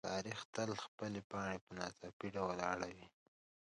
تاریخ تل خپلې پاڼې په ناڅاپي ډول اړوي.